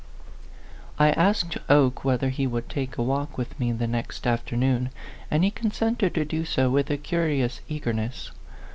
I asked Oke whether he would take a walk with me the next afternoon, and he consented to do so with a curious eagerness.